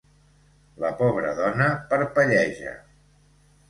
La pobra dona parpelleja.